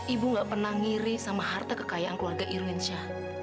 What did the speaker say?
ibu nggak pernah ngiri sama harta kekayaan keluarga irwinca